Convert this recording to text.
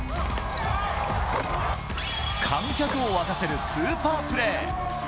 観客を沸かせるスーパープレー。